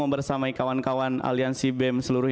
bersamai kawan kawan aliansi bem seluruh